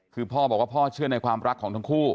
คือพ่อบอกว่าพ่อเชื่อในความรักของทั้งคู่